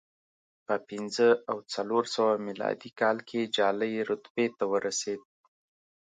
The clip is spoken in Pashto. په پنځه او څلور سوه میلادي کال کې جالۍ رتبې ته ورسېد